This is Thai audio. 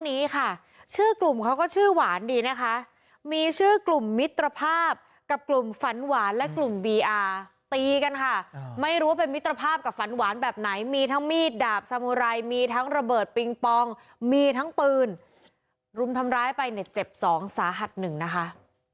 นี้ค่ะชื่อกลุ่มเขาก็ชื่อหวานดีนะคะมีชื่อกลุ่มมิตรภาพกับกลุ่มฝันหวานและกลุ่มบีอาร์ตีกันค่ะไม่รู้ว่าเป็นมิตรภาพกับฝันหวานแบบไหนมีทั้งมีดดาบสมุไรมีทั้งระเบิดปิงปองมีทั้งปืนรุมทำร้ายไปเนี่ยเจ็บสองสาหัสหนึ่งนะคะ